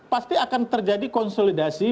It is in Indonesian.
pasti akan terjadi konsolidasi